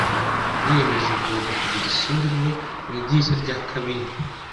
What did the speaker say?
niyemeje ngomba kugira isura imwe mu idirishya rya kabine.